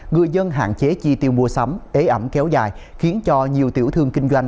người dân hạn chế chi tiêu mua sắm ế ẩm kéo dài khiến cho nhiều tiểu thương kinh doanh